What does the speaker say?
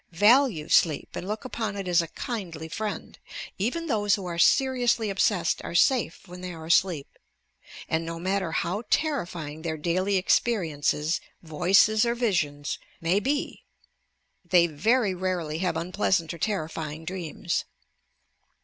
Value sleep and look upon it as a kindly friend. Even those who are seriously obsessed are safe when they are asleep, and no matter how terrifying their daily experiences, voices or visions, may be, they very rarely have unpleasant or terrifying dreams.